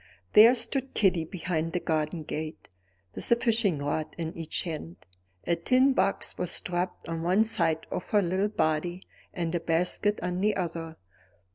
There stood Kitty behind the garden gate, with a fishing rod in each hand. A tin box was strapped on one side of her little body and a basket on the other.